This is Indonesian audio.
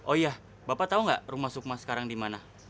oh iya bapak tahu gak rumah sukma sekarang dimana